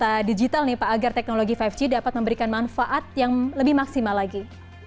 data digital nih pak agar teknologi lima g dapat memberikan manfaat yang lebih maksimal lagi